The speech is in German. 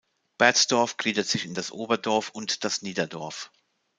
Bertsdorf gliedert sich in das Oberdorf und das Niederdorf.